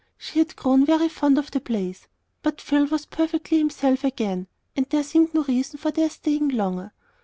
She had grown very fond of the place; but Phil was perfectly himself again, and there seemed no reason for their staying longer.